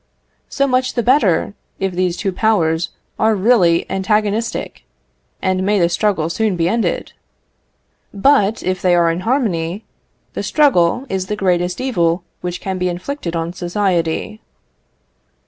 So much the better, if these two powers are really antagonistic; and may the struggle soon be ended! But, if they are in harmony, the struggle is the greatest evil which can be inflicted on society.